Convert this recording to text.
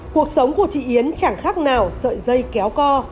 cuộc sống của chị yến chẳng khác nào sợi dây kéo co